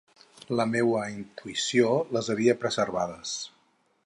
La meua intuïció les havia preservades.